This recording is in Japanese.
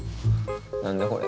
何だこれ。